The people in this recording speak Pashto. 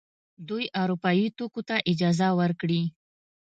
دوی اروپايي توکو ته اجازه ورکړي.